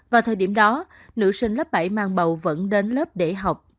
vào thời điểm đó nữ sinh lớp bảy mang bầu vẫn đến lớp để học